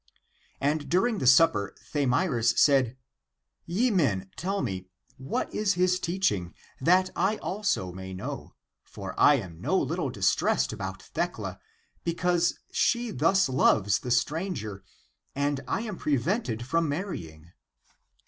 2'^ And during the supper Thamyris said, " Ye men, tell me, what is his teaching, that I also may know, for I am no little distressed about Thecla, because she thus loves the stranger, and I am prevented from marrying."